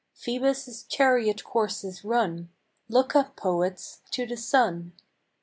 Phoebus' chariot course is run ! Look up, poets, to the sun !